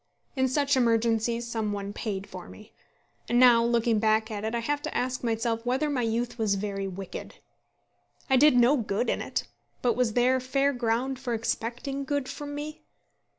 In such emergencies some one paid for me. And now, looking back at it, I have to ask myself whether my youth was very wicked. I did no good in it; but was there fair ground for expecting good from me?